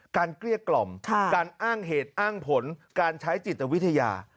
เกลี้ยกล่อมการอ้างเหตุอ้างผลการใช้จิตวิทยา